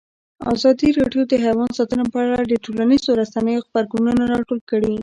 ازادي راډیو د حیوان ساتنه په اړه د ټولنیزو رسنیو غبرګونونه راټول کړي.